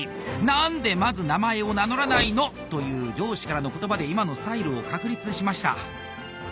「何でまず名前を名乗らないの？」という上司からの言葉で今のスタイルを確立しました。